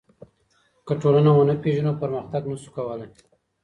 که ټولنه ونه پېژنو پرمختګ نسو کولای.